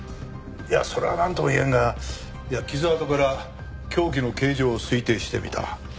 いやそれはなんとも言えんが傷痕から凶器の形状を推定してみた。